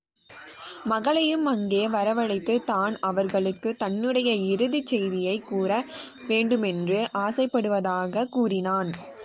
மகளையும் அங்கே வரவழைத்து, தான் அவர்களுக்குத் தன்னுடைய இறுதிச் செய்தியைக் கூற வேண்டுமென்று ஆசைப்படுவதாகக் கூறினான்.